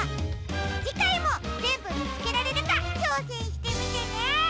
じかいもぜんぶみつけられるかちょうせんしてみてね！